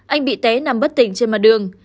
anh bị té nằm bất tỉnh trên mặt đường